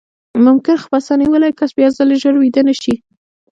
ممکن خپسه نیولی کس بیاځلې ژر ویده نه شي.